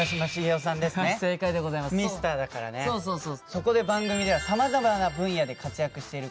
そこで番組ではさまざまな分野で活躍している方々